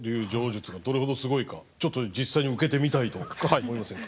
杖術がどれほどすごいかちょっと実際に受けてみたいと思いませんか？